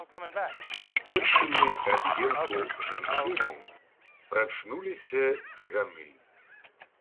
Першымі ад енку жанчыны прачнуліся цыганы.